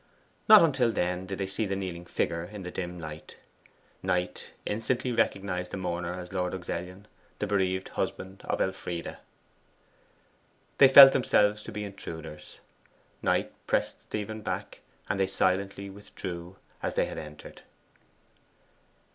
Not until then did they see the kneeling figure in the dim light. Knight instantly recognized the mourner as Lord Luxellian, the bereaved husband of Elfride. They felt themselves to be intruders. Knight pressed Stephen back, and they silently withdrew as they had entered.